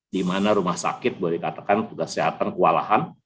di mana rumah sakit boleh dikatakan tugas sehatan kewalahan